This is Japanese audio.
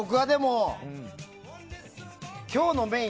今日のメイン